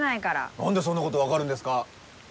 何でそんなことが分かるんですか？